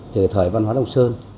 thời thời văn hóa đông sơn